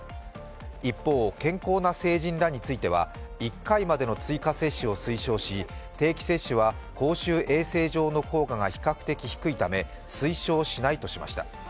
一方、健康な成人らについては、１回までの追加接種を推奨し、定期接種は公衆衛生上の効果が比較的低いため推奨しないとしました。